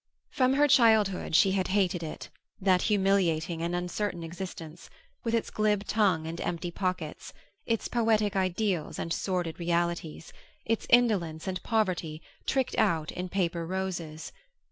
From her childhood she had hated it, that humiliating and uncertain existence, with its glib tongue and empty pockets, its poetic ideals and sordid realities, its indolence and poverty tricked out in paper roses.